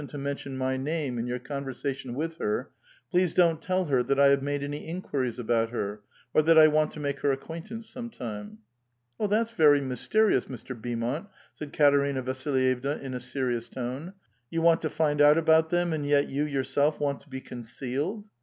to mention my name in joar conversation with her, please don^t tell her that I have made any inqniries about her, or that I want to make her acqnaintance some time." *' That's very mysterious, Mr. Beanmont," said Katerina Vasflvevna in a serious tone. ^^ You want to find out about them, and yet you yourself want to be concealed."